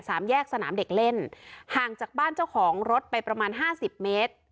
สามแยกสนามเด็กเล่นห่างจากบ้านเจ้าของรถไปประมาณห้าสิบเมตร